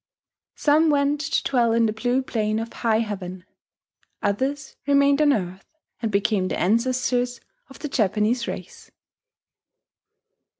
Some went to dwell in the blue Plain of High Heaven; others remained on earth and became the ancestors of the Japanese race.